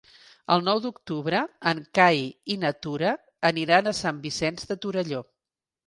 El nou d'octubre en Cai i na Tura aniran a Sant Vicenç de Torelló.